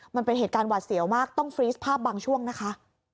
มันเป็นเหตุการณ์หวาดเสียวมากต้องฟรีสภาพบางช่วงนะคะ